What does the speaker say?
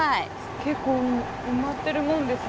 結構埋まってるもんですね。